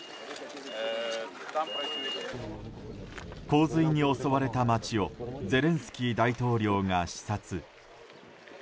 洪水に襲われた街をゼレンスキー大統領が視察。